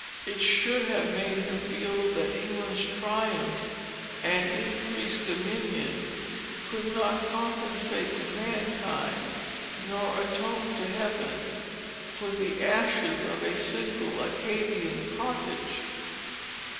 It should have made him feel, that England's triumph, and increased dominion, could not compensate to mankind, nor atone to Heaven, for the ashes of a single Acadian cottage.